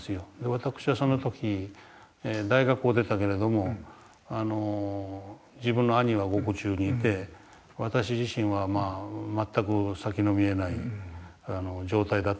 私はその時大学を出たけれども自分の兄は獄中にいて私自身は全く先の見えない状態だったんですね。